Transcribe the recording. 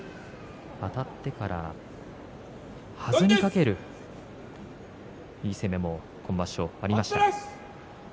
あたってから、はずにかけるいい攻めも、今場所ありました。